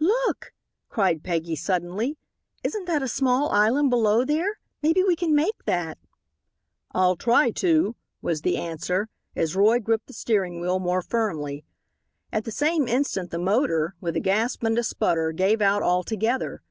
"Look," cried Peggy suddenly, "isn't that a small island below there? Maybe we can make that?" "I'll try to," was the answer, as Roy gripped the steering wheel more firmly. At the same instant the motor, with a gasp and a sputter, gave out altogether.